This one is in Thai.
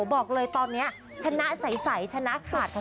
พรงจงจะล้มพี่อั้มพัชราภาพทุกที่ทุกเวลาจริง